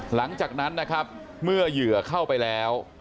หลังจากนั้นนะครับเมื่อเหยื่อเข้าไปแล้ว